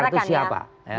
oh itu dibicarakan ya